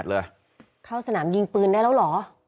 เลยเข้าสนามยิงปืนได้แล้วเหรอ